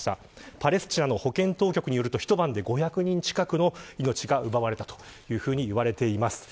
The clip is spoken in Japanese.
パレスチナの保健当局によりますと一晩で５００人近くの命が奪われたと言われています。